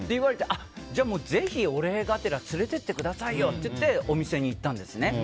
あ、じゃあぜひお礼がてら連れてってくださいよっていってお店に行ったんですね。